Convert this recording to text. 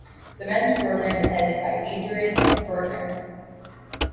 The men's program is headed by Adrian Burtner.